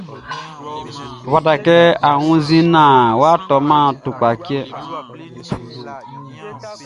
Ɔ fata kɛ a wunnzin naan wʼa tɔman tukpachtɛ.